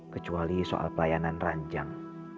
kecuali soal pelayanan ranjang